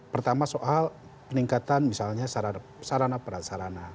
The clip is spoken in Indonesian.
pertama soal peningkatan misalnya sarana perasarana